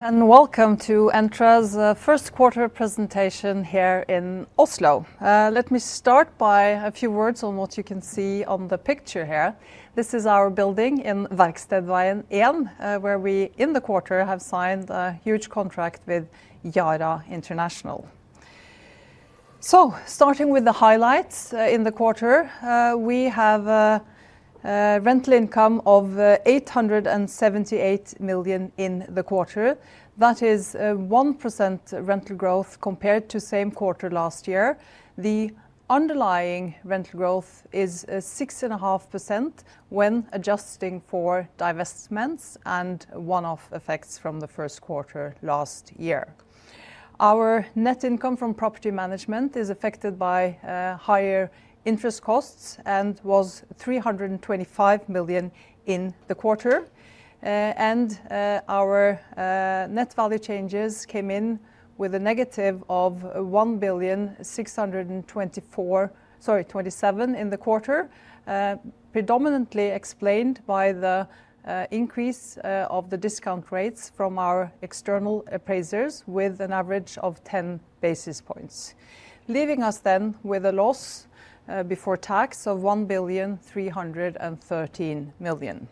Welcome to Entra's first quarter presentation here in Oslo. Let me start by a few words on what you can see on the picture here. This is our building in Verkstedveien 1, where we, in the quarter, have signed a huge contract with Yara International. Starting with the highlights in the quarter. We have a rental income of 878 million in the quarter. That is 1% rental growth compared to same quarter last year. The underlying rental growth is 6.5% when adjusting for divestments and one-off effects from the first quarter last year. Our net income from property management is affected by higher interest costs, and was 325 million in the quarter. Our net value changes came in with a negative of 1.627 billion in the quarter. Predominantly explained by the increase of the discount rates from our external appraisers with an average of 10 basis points. Leaving us then with a loss before tax of 1.313 billion.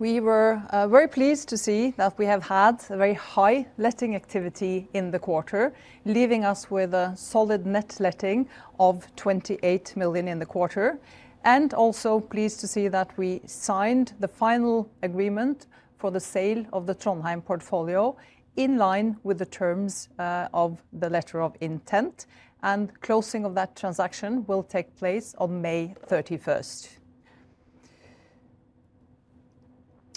We were very pleased to see that we have had a very high letting activity in the quarter, leaving us with a solid net letting of 28 million in the quarter. And also pleased to see that we signed the final agreement for the sale of the Trondheim portfolio, in line with the terms of the letter of intent, and closing of that transaction will take place on May 31st.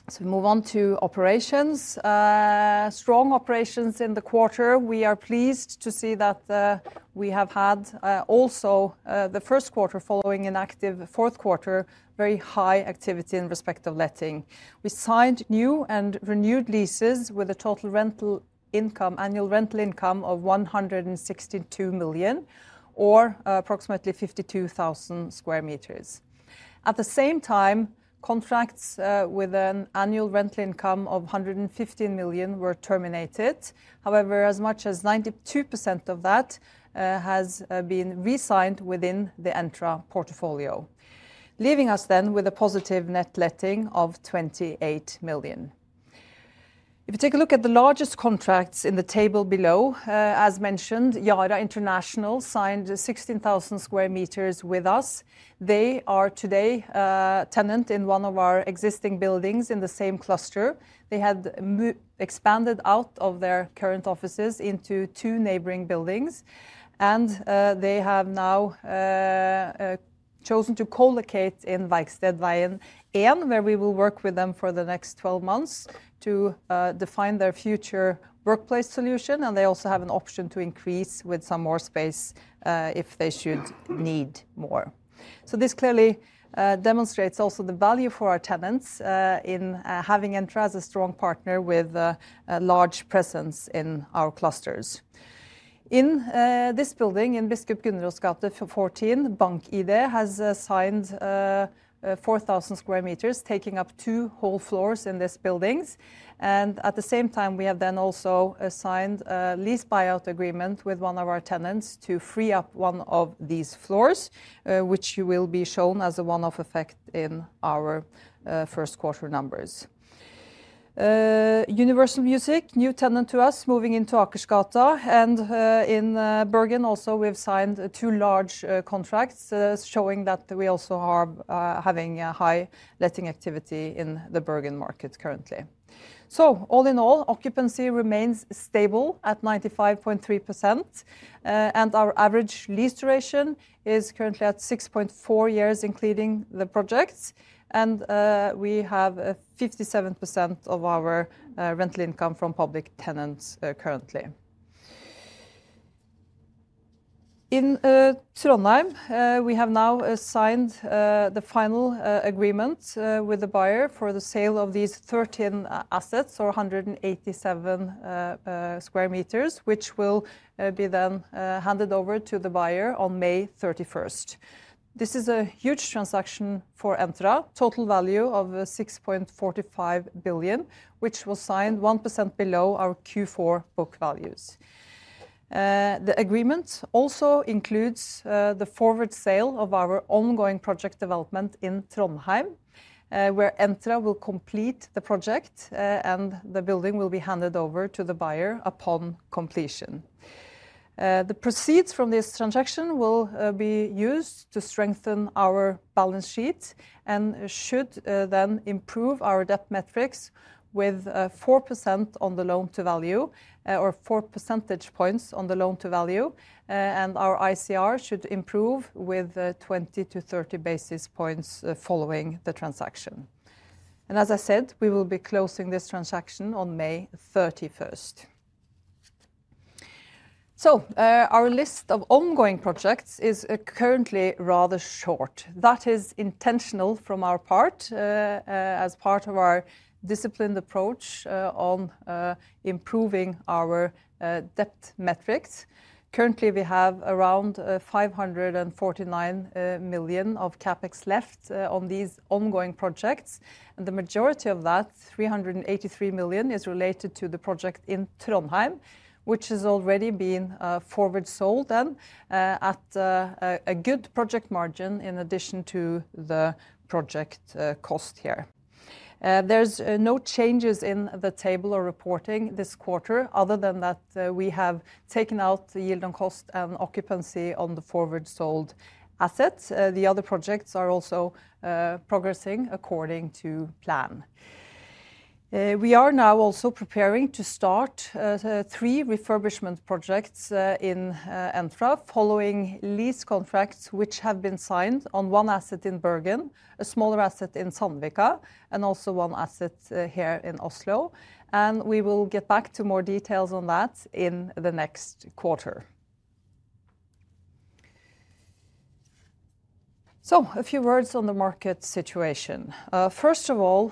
So move on to operations. Strong operations in the quarter. We are pleased to see that, we have had, also, the first quarter following an active fourth quarter, very high activity in respect of letting. We signed new and renewed leases with a total rental income, annual rental income of 162 million, or approximately 52,000 sq m. At the same time, contracts, with an annual rental income of 115 million were terminated. However, as much as 92% of that, has, been re-signed within the Entra portfolio. Leaving us then with a positive net letting of 28 million. If you take a look at the largest contracts in the table below, as mentioned, Yara International signed 16,000 sq m with us. They are today a tenant in one of our existing buildings in the same cluster. They had expanded out of their current offices into two neighboring buildings, and they have now chosen to co-locate in Verkstedveien 1, where we will work with them for the next 12 months to define their future workplace solution, and they also have an option to increase with some more space if they should need more. So this clearly demonstrates also the value for our tenants in having Entra as a strong partner with a large presence in our clusters. In this building, in Biskop Gunnerus' gate 14, BankID has signed 4,000 sq m, taking up two whole floors in this building. And at the same time, we have then also assigned a lease buyout agreement with one of our tenants to free up one of these floors, which will be shown as a one-off effect in our first quarter numbers. Universal Music, new tenant to us, moving into Akersgata. And in Bergen also, we've signed two large contracts, showing that we also are having a high letting activity in the Bergen market currently. So all in all, occupancy remains stable at 95.3%. And our average lease duration is currently at 6.4 years, including the projects. And we have 57% of our rental income from public tenants, currently. In Trondheim, we have now signed the final agreement with the buyer for the sale of these 13 assets or 187,000 sq m, which will be then handed over to the buyer on May 31st. This is a huge transaction for Entra. Total value of 6.45 billion, which was signed 1% below our Q4 book values. The agreement also includes the forward sale of our ongoing project development in Trondheim, where Entra will complete the project and the building will be handed over to the buyer upon completion. The proceeds from this transaction will be used to strengthen our balance sheet and should then improve our debt metrics with 4% on the loan-to-value or 4 percentage points on the loan-to-value. And our ICR should improve with 20-30 basis points following the transaction. And as I said, we will be closing this transaction on May 31st. So, our list of ongoing projects is currently rather short. That is intentional from our part, as part of our disciplined approach on improving our debt metrics. Currently, we have around 549 million of CapEx left on these ongoing projects, and the majority of that, 383 million, is related to the project in Trondheim, which has already been forward sold and at a good project margin in addition to the project cost here. There's no changes in the table or reporting this quarter other than that, we have taken out the yield on cost and occupancy on the forward sold assets. The other projects are also progressing according to plan. We are now also preparing to start three refurbishment projects in Entra, following lease contracts, which have been signed on one asset in Bergen, a smaller asset in Sandvika, and also one asset here in Oslo, and we will get back to more details on that in the next quarter. So, a few words on the market situation. First of all,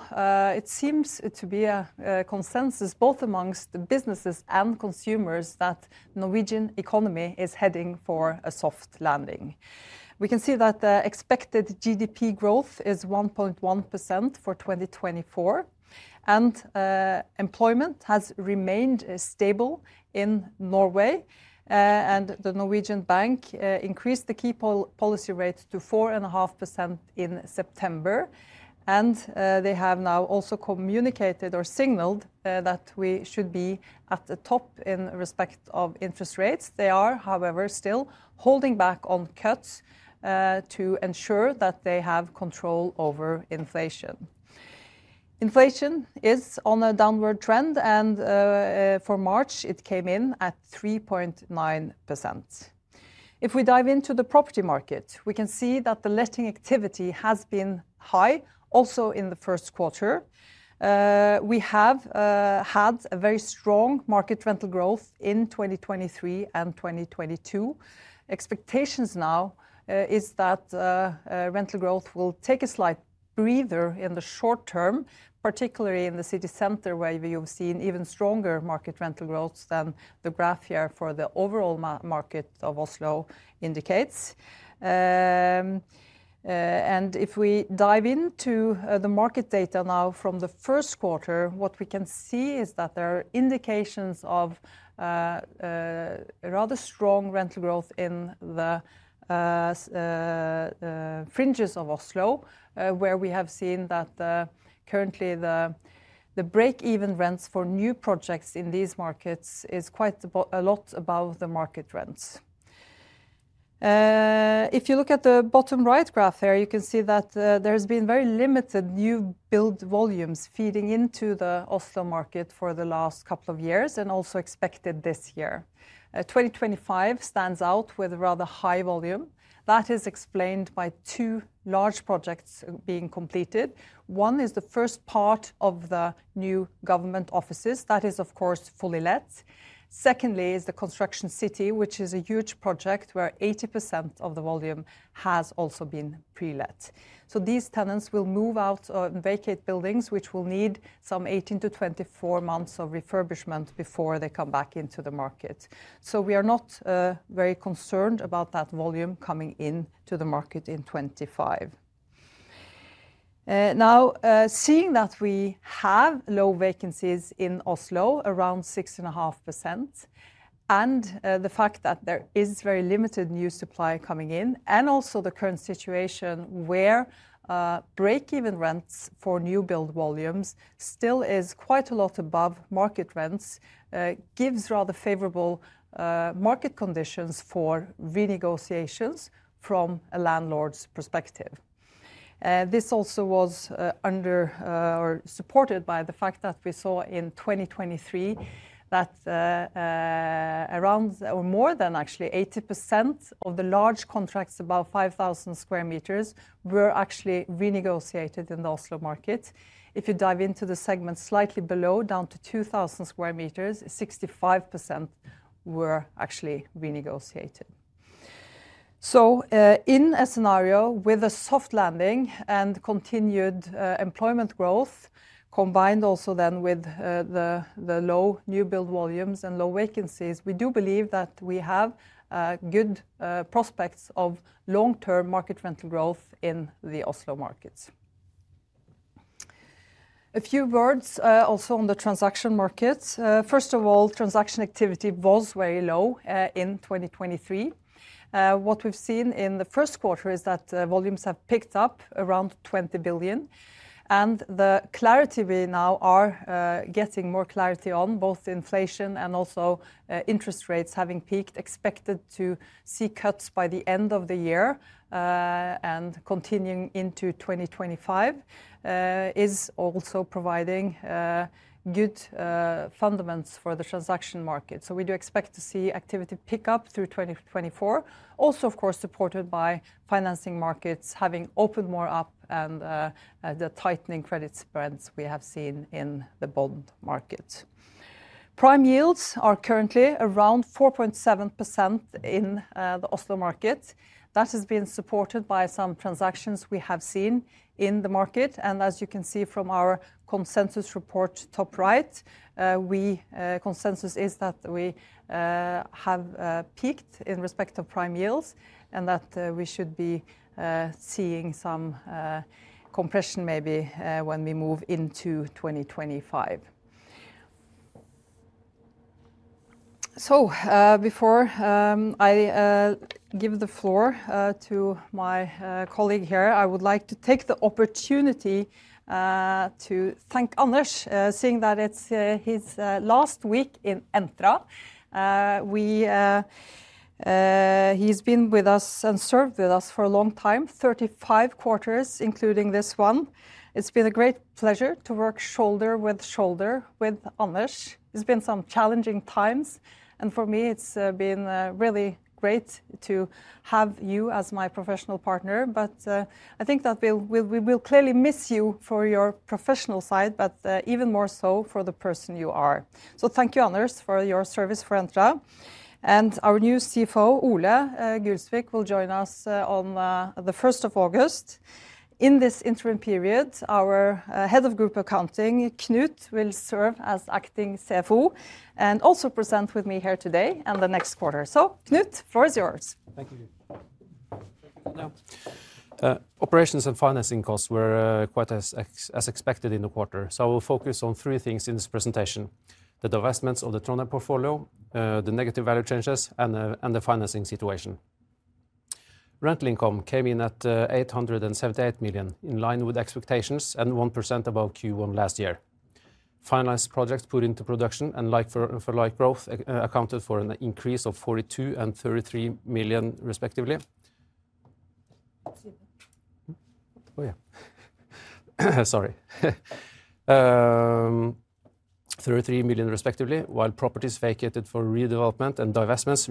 it seems to be a consensus both amongst the businesses and consumers that Norwegian economy is heading for a soft landing. We can see that the expected GDP growth is 1.1% for 2024, and employment has remained stable in Norway. Norges Bank increased the key policy rate to 4.5% in September, and they have now also communicated or signaled that we should be at the top in respect of interest rates. They are, however, still holding back on cuts to ensure that they have control over inflation. Inflation is on a downward trend, and for March, it came in at 3.9%. If we dive into the property market, we can see that the letting activity has been high also in the first quarter. We have had a very strong market rental growth in 2023 and 2022. Expectations now is that rental growth will take a slight breather in the short term, particularly in the city center, where we have seen even stronger market rental growth than the graph here for the overall market of Oslo indicates. If we dive into the market data now from the first quarter, what we can see is that there are indications of a rather strong rental growth in the fringes of Oslo, where we have seen that currently the break-even rents for new projects in these markets is quite a lot above the market rents. If you look at the bottom-right graph there, you can see that there's been very limited new build volumes feeding into the Oslo market for the last couple of years and also expected this year. 2025 stands out with a rather high volume. That is explained by two large projects being completed. One is the first part of the new government offices. That is, of course, fully let. Secondly is the Construction City, which is a huge project where 80% of the volume has also been pre-let. So these tenants will move out or vacate buildings, which will need some 18-24 months of refurbishment before they come back into the market. So we are not very concerned about that volume coming into the market in 2025. Now, seeing that we have low vacancies in Oslo, around 6.5%, and the fact that there is very limited new supply coming in, and also the current situation where break-even rents for new build volumes still is quite a lot above market rents, gives rather favorable market conditions for renegotiations from a landlord's perspective. This also was under or supported by the fact that we saw in 2023 that around or more than actually 80% of the large contracts, about 5,000 sq m, were actually renegotiated in the Oslo market. If you dive into the segment slightly below, down to 2,000 sq m, 65% were actually renegotiated. In a scenario with a soft landing and continued employment growth, combined also then with the low new build volumes and low vacancies, we do believe that we have good prospects of long-term market rental growth in the Oslo markets. A few words also on the transaction markets. First of all, transaction activity was very low in 2023. What we've seen in the first quarter is that volumes have picked up around 20 billion, and the clarity we now are getting more clarity on, both inflation and also interest rates having peaked, expected to see cuts by the end of the year, and continuing into 2025, is also providing good fundamentals for the transaction market. We do expect to see activity pick up through 2024. Also, of course, supported by financing markets having opened more up and, the tightening credit spreads we have seen in the bond market. Prime yields are currently around 4.7% in the Oslo market. That has been supported by some transactions we have seen in the market. And as you can see from our consensus report, top right, we consensus is that we have peaked in respect of prime yields, and that we should be seeing some compression maybe when we move into 2025. So, before I give the floor to my colleague here, I would like to take the opportunity to thank Anders, seeing that it's his last week in Entra. He's been with us and served with us for a long time, 35 quarters, including this one. It's been a great pleasure to work shoulder with shoulder with Anders. It's been some challenging times, and for me, it's been really great to have you as my professional partner. But I think that we will clearly miss you for your professional side, but even more so for the person you are. So thank you, Anders, for your service for Entra. Our new CFO, Ole Gulsvik, will join us on the first of August. In this interim period, our Head of Group Accounting, Knut, will serve as acting CFO and also present with me here today and the next quarter. So Knut, floor is yours. Thank you. Now, operations and financing costs were quite as expected in the quarter. So I will focus on three things in this presentation: the divestments of the Trondheim portfolio, the negative value changes, and the financing situation. Rental income came in at 878 million, in line with expectations and 1% above Q1 last year. Finalized projects put into production and like-for-like growth accounted for an increase of 42 million and 33 million, respectively. Excuse me. Oh, yeah. Sorry. 33 million, respectively, while properties vacated for redevelopment and divestments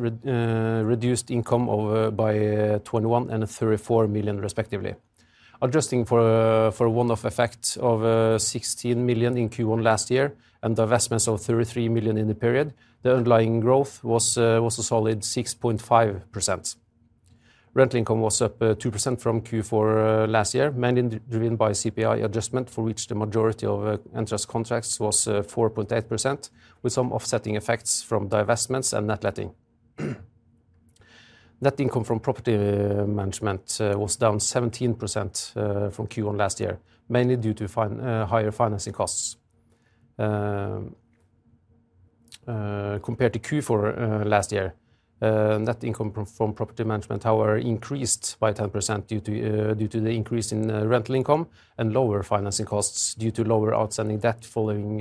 reduced income over by 21 million and 34 million, respectively. Adjusting for a one-off effect of 16 million in Q1 last year, and divestments of 33 million in the period, the underlying growth was a solid 6.5%. Rental income was up 2% from Q4 last year, mainly driven by CPI adjustment, for which the majority of Entra's contracts was 4.8%, with some offsetting effects from divestments and net letting. Net income from property management was down 17% from Q1 last year, mainly due to higher financing costs. Compared to Q4 last year, net income from property management, however, increased by 10% due to the increase in rental income and lower financing costs due to lower outstanding debt following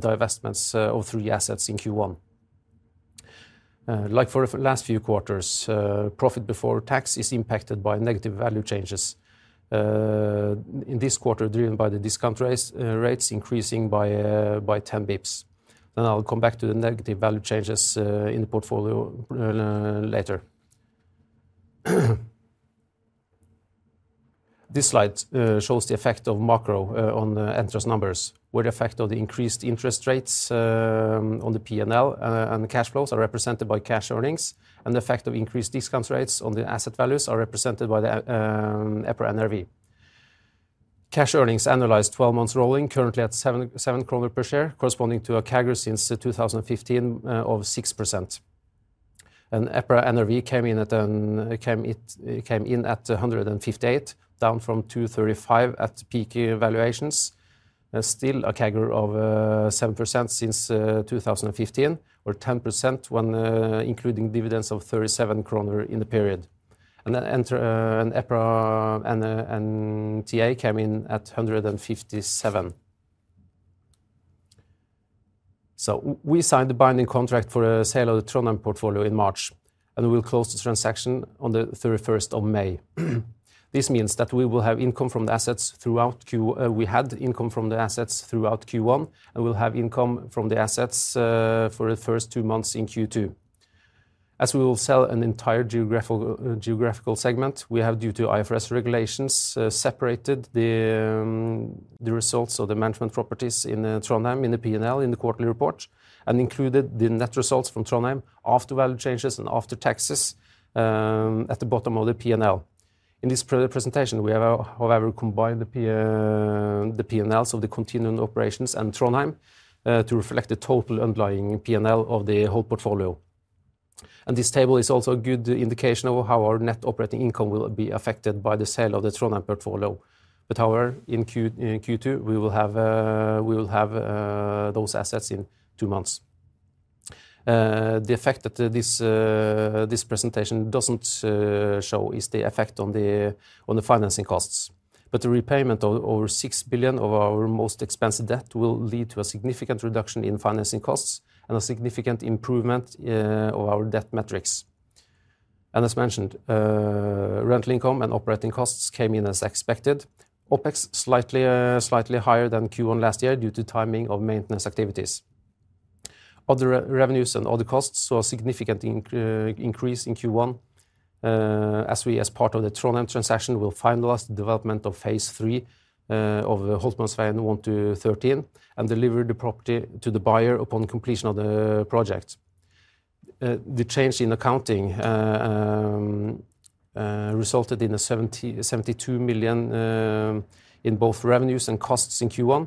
divestments of three assets in Q1. Like for the last few quarters, profit before tax is impacted by negative value changes. In this quarter, driven by the discount rates increasing by 10 basis points. And I'll come back to the negative value changes in the portfolio later. This slide shows the effect of macro on Entra's numbers, where the effect of the increased interest rates on the PNL and the cash flows are represented by cash earnings, and the effect of increased discount rates on the asset values are represented by the EPRA NRV. Cash earnings annualized 12 months rolling, currently at 7.7 kroner per share, corresponding to a CAGR since 2015 of 6%. EPRA NRV came in at 158, down from 235 at peak valuations. Still a CAGR of 7% since 2015, or 10% when including dividends of 37 kroner in the period. Then Entra and EPRA NTA came in at 157. So we signed a binding contract for a sale of the Trondheim portfolio in March, and we will close the transaction on the 31st of May. This means that we will have income from the assets throughout Q, we had income from the assets throughout Q1, and we'll have income from the assets, for the first two months in Q2. As we will sell an entire geographical segment, we have, due to IFRS regulations, separated the results of the management properties in the Trondheim, in the PNL, in the quarterly report, and included the net results from Trondheim after value changes and after taxes, at the bottom of the PNL. In this pre-presentation, we have, however, combined the P, the PNLs of the continuing operations and Trondheim, to reflect the total underlying PNL of the whole portfolio. And this table is also a good indication of how our net operating income will be affected by the sale of the Trondheim portfolio. However, in Q2, we will have those assets in two months. The effect that this presentation doesn't show is the effect on the financing costs. But the repayment of over 6 billion of our most expensive debt will lead to a significant reduction in financing costs and a significant improvement of our debt metrics. And as mentioned, rental income and operating costs came in as expected. OpEx slightly higher than Q1 last year due to timing of maintenance activities. Other revenues and other costs saw a significant increase in Q1 as we, as part of the Trondheim transaction, will finalize the development of phase III of the Holtermanns veg 1-13, and deliver the property to the buyer upon completion of the project. The change in accounting resulted in a 72 million in both revenues and costs in Q1.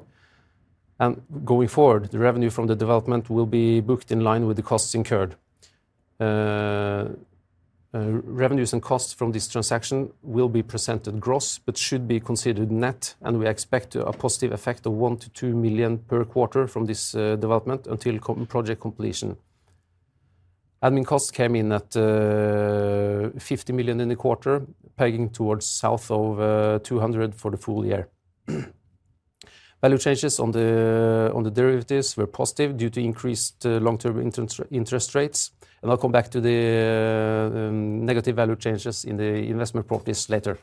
Going forward, the revenue from the development will be booked in line with the costs incurred. Revenues and costs from this transaction will be presented gross, but should be considered net, and we expect a positive effect of 1 million-2 million per quarter from this development until project completion. Admin costs came in at 50 million in the quarter, pegging towards south of 200 for the full year. Value changes on the derivatives were positive due to increased long-term interest rates, and I'll come back to the negative value changes in the investment properties later.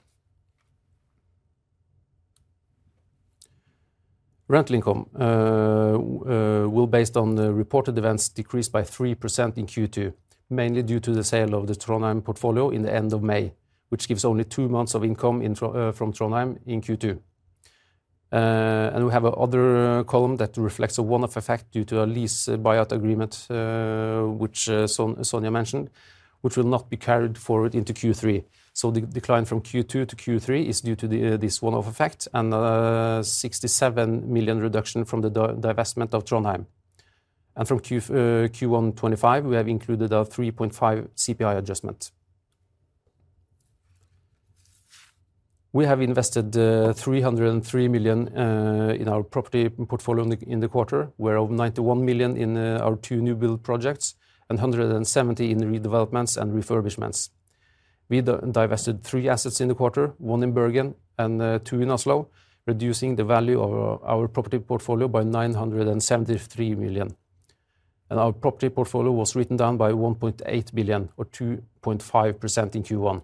Rental income will, based on the reported events, decrease by 3% in Q2, mainly due to the sale of the Trondheim portfolio in the end of May, which gives only two months of income from Trondheim in Q2. And we have another column that reflects a one-off effect due to a lease buyout agreement, which Sonja mentioned, which will not be carried forward into Q3. So the decline from Q2 to Q3 is due to this one-off effect and 67 million reduction from the divestment of Trondheim. And from Q1 2025, we have included a 3.5 CPI adjustment. We have invested 303 million in our property portfolio in the quarter, whereof 91 million in our two new build projects and 170 million in the redevelopments and refurbishments. We divested three assets in the quarter, one in Bergen and two in Oslo, reducing the value of our property portfolio by 973 million. Our property portfolio was written down by 1.8 billion or 2.5% in Q1.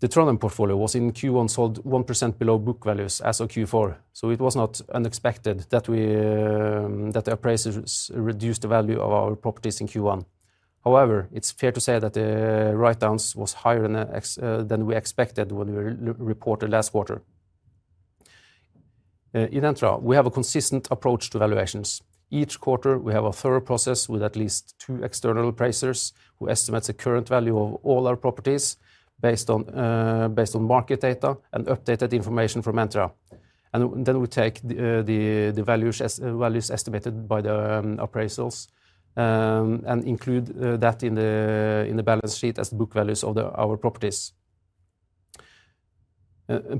The Trondheim portfolio was in Q1 sold 1% below book values as of Q4. It was not unexpected that the appraisers reduced the value of our properties in Q1. However, it's fair to say that the write-downs was higher than we expected when we reported last quarter. In Entra, we have a consistent approach to valuations. Each quarter, we have a thorough process with at least two external appraisers, who estimates the current value of all our properties based on market data and updated information from Entra. And then we take the values estimated by the appraisals and include that in the balance sheet as the book values of our properties.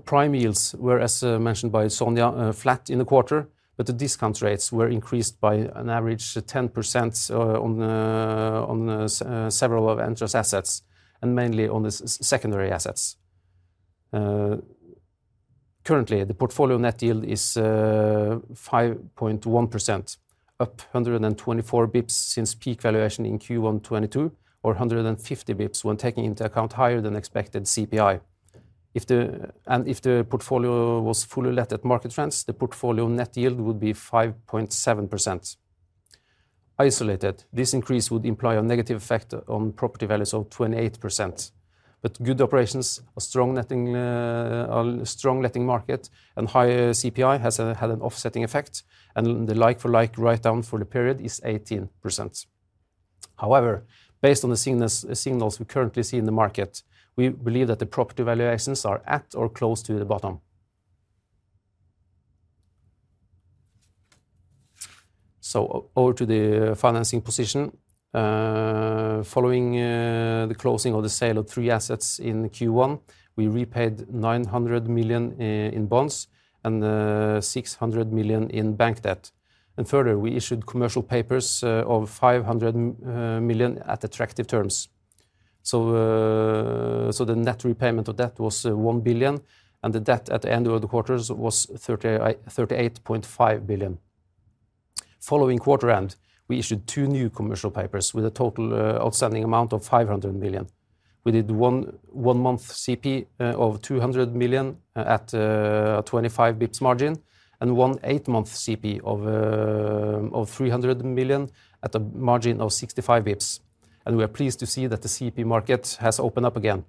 Prime yields were, as mentioned by Sonja, flat in the quarter, but the discount rates were increased by an average 10% on several of Entra's assets and mainly on the secondary assets. Currently, the portfolio net yield is 5.1%, up 124 basis points since peak valuation in Q1 2022, or 150 basis points when taking into account higher than expected CPI. And if the portfolio was fully let at market rents, the portfolio net yield would be 5.7%. Isolated, this increase would imply a negative effect on property values of 28%. But good operations, a strong netting, a strong letting market, and higher CPI has, had an offsetting effect, and the like-for-like write down for the period is 18%. However, based on the signals, signals we currently see in the market, we believe that the property valuations are at or close to the bottom. So over to the financing position. Following the closing of the sale of three assets in Q1, we repaid 900 million in bonds and 600 million in bank debt. Further, we issued commercial papers of 500 million at attractive terms. So the net repayment of debt was 1 billion, and the debt at the end of the quarter was 38.5 billion. Following quarter end, we issued two new commercial papers with a total outstanding amount of 500 million. We did one one-month CP of 200 million at 25 basis points margin and one eight-month CP of 300 million at a margin of 65 basis points. And we are pleased to see that the CP market has opened up again.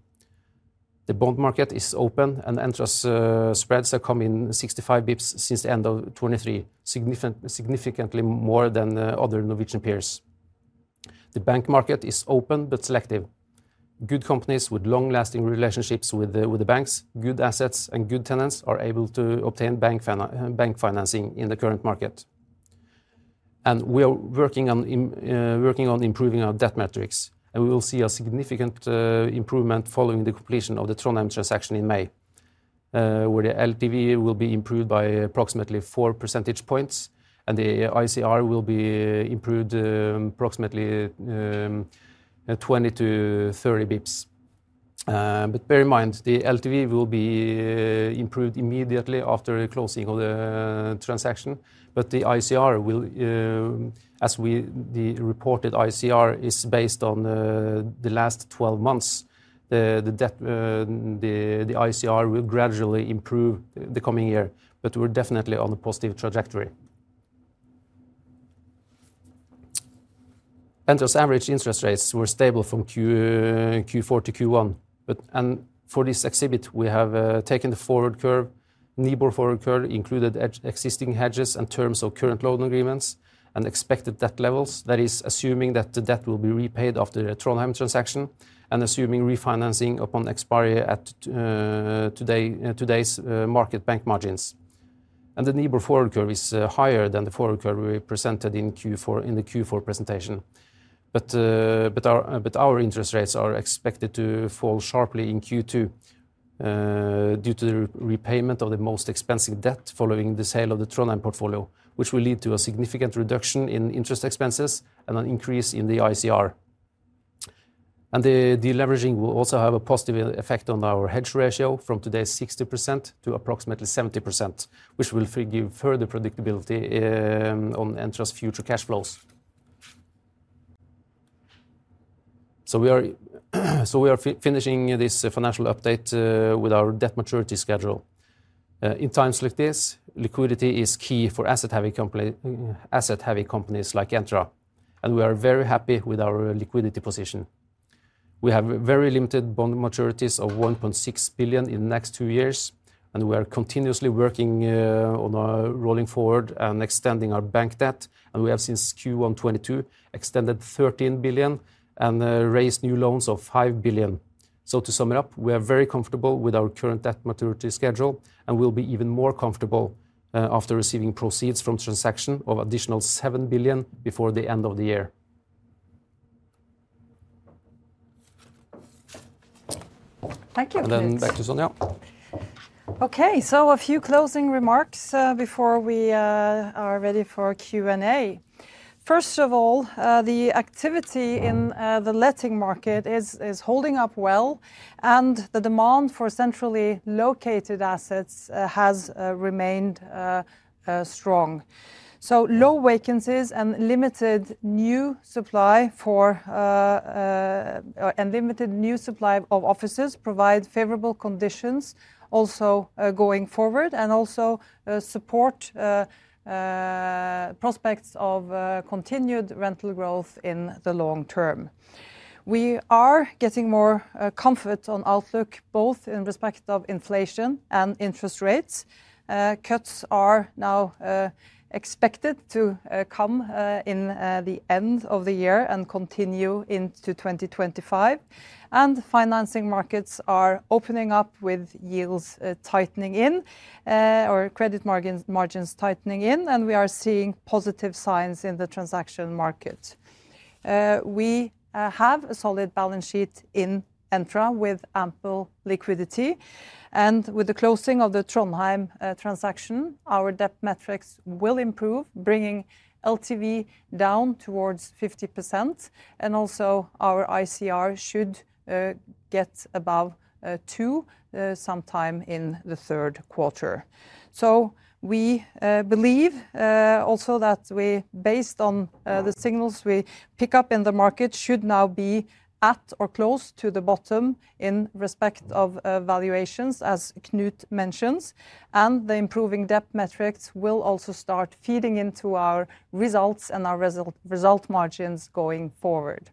The bond market is open, and Entra's spreads have come in 65 basis points since the end of 2023, significantly more than the other Norwegian peers. The bank market is open but selective. Good companies with long-lasting relationships with the banks, good assets, and good tenants are able to obtain bank financing in the current market. And we are working on improving our debt metrics, and we will see a significant improvement following the completion of the Trondheim transaction in May, where the LTV will be improved by approximately 4 percentage points and the ICR will be improved approximately 20-30 basis points. But bear in mind, the LTV will be improved immediately after the closing of the transaction, but the ICR will, as the reported ICR is based on the last 12 months, the debt, the ICR will gradually improve the coming year, but we're definitely on a positive trajectory. Entra's average interest rates were stable from Q4 to Q1. For this exhibit, we have taken the forward curve, NIBOR forward curve, included existing hedges and terms of current loan agreements, and expected debt levels. That is assuming that the debt will be repaid after the Trondheim transaction, and assuming refinancing upon expiry at today’s market bank margins. The NIBOR forward curve is higher than the forward curve we presented in Q4, in the Q4 presentation. But our interest rates are expected to fall sharply in Q2, due to the repayment of the most expensive debt following the sale of the Trondheim portfolio, which will lead to a significant reduction in interest expenses and an increase in the ICR. The de-leveraging will also have a positive effect on our hedge ratio from today's 60%-approximately 70%, which will give further predictability on Entra's future cash flows. We are finishing this financial update with our debt maturity schedule. In times like this, liquidity is key for asset-heavy companies like Entra, and we are very happy with our liquidity position. We have very limited bond maturities of 1.6 billion in the next two years, and we are continuously working on our rolling forward and extending our bank debt, and we have since Q1 2022 extended 13 billion and raised new loans of 5 billion. So to sum it up, we are very comfortable with our current debt maturity schedule, and we'll be even more comfortable after receiving proceeds from transaction of additional 7 billion before the end of the year. Thank you, Knut. And then back to Sonja. Okay, so a few closing remarks before we are ready for Q&A. First of all, the activity in the letting market is holding up well, and the demand for centrally located assets has remained strong. So low vacancies and limited new supply of offices provide favorable conditions also going forward, and also support prospects of continued rental growth in the long term. We are getting more comfort on outlook, both in respect of inflation and interest rates. Cuts are now expected to come in the end of the year and continue into 2025. And financing markets are opening up with yields tightening or credit margins tightening, and we are seeing positive signs in the transaction market. We have a solid balance sheet in Entra with ample liquidity, and with the closing of the Trondheim transaction, our debt metrics will improve, bringing LTV down towards 50%, and also our ICR should get above two sometime in the third quarter. So we believe also that we, based on the signals we pick up in the market, should now be at or close to the bottom in respect of valuations, as Knut mentions, and the improving debt metrics will also start feeding into our results and our result margins going forward.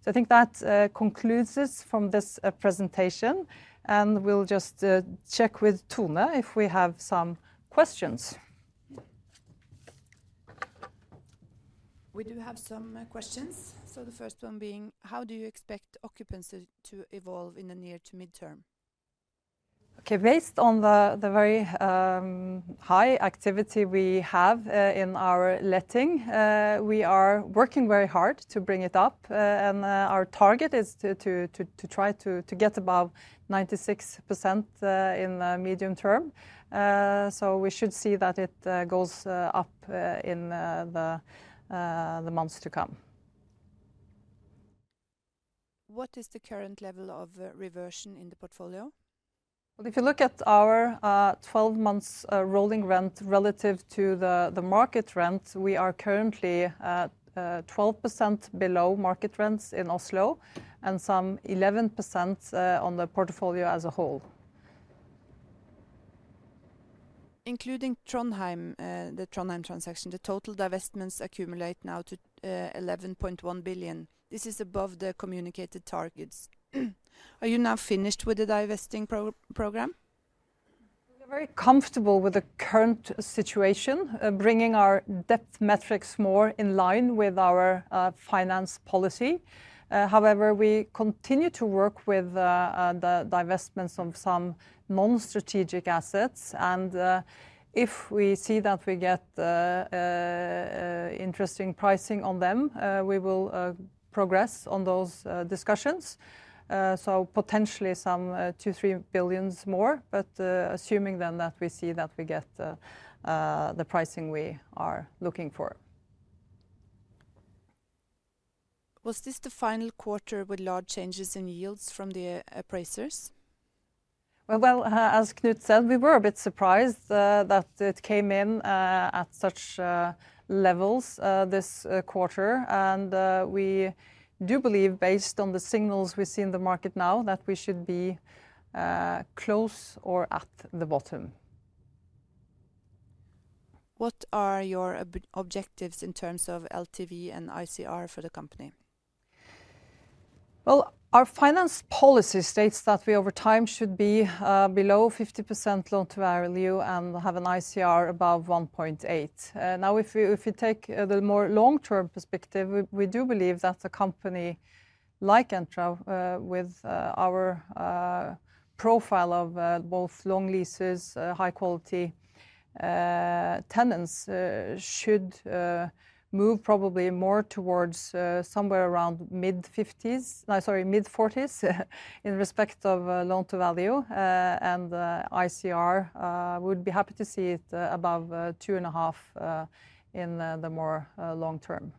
So I think that concludes this from this presentation, and we'll just check with Tone if we have some questions. We do have some questions. So the first one being: How do you expect occupancy to evolve in the near to midterm? Okay, based on the very high activity we have in our letting, we are working very hard to bring it up, and our target is to try to get above 96% in the medium term. So we should see that it goes up in the months to come. What is the current level of reversion in the portfolio? Well, if you look at our 12 months rolling rent relative to the market rent, we are currently at 12% below market rents in Oslo, and some 11% on the portfolio as a whole. Including Trondheim, the Trondheim transaction, the total divestments accumulate now to 11.1 billion. This is above the communicated targets. Are you now finished with the divesting program? We're very comfortable with the current situation, bringing our debt metrics more in line with our finance policy. However, we continue to work with the divestments of some non-strategic assets, and if we see that we get interesting pricing on them, we will progress on those discussions. So potentially some 2 billion-3 billion more, but assuming then that we see that we get the pricing we are looking for. Was this the final quarter with large changes in yields from the appraisers? Well, well, as Knut said, we were a bit surprised that it came in at such levels this quarter. And, we do believe, based on the signals we see in the market now, that we should be close or at the bottom.... What are your objectives in terms of LTV and ICR for the company? Well, our finance policy states that we, over time, should be below 50% loan to value and have an ICR above 1.8. Now, if you take the more long-term perspective, we do believe that a company like Entra, with our profile of both long leases, high quality tenants, should move probably more towards somewhere around mid-50s. Sorry, mid-40s in respect of loan to value. And ICR would be happy to see it above 2.5 in the more long term.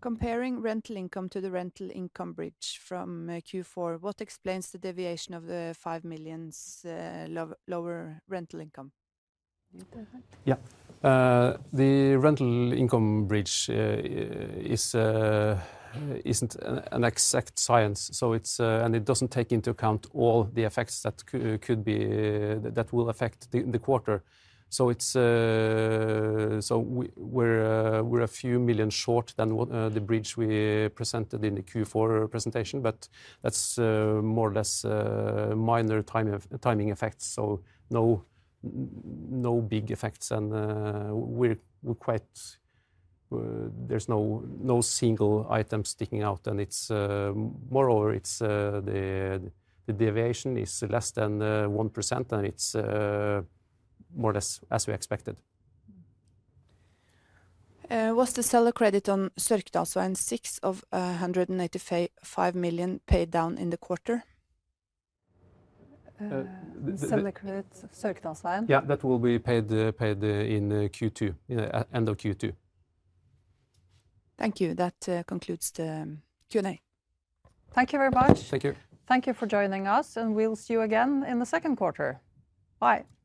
Comparing rental income to the rental income bridge from Q4, what explains the deviation of 5 million, low- lower rental income? You take that? Yeah. The rental income bridge isn't an exact science, so it's... And it doesn't take into account all the effects that could be that will affect the quarter. So it's... So we're a few million NOK short than what the bridge we presented in the Q4 presentation, but that's more or less minor timing effects, so no big effects. And we're quite... There's no single item sticking out, and it's... Moreover, it's the deviation is less than 1%, and it's more or less as we expected. Was the seller credit on Sørkedalsveien 6 of 185 million paid down in the quarter? Uh. The seller credit, Sørkedalsveien. Yeah, that will be paid in Q2, at end of Q2. Thank you. That concludes the Q&A. Thank you very much. Thank you. Thank you for joining us, and we'll see you again in the second quarter. Bye. Bye.